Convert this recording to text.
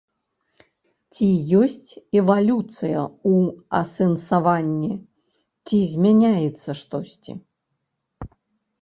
Ці ёсць эвалюцыя ў асэнсаванні, ці змяняецца штосьці?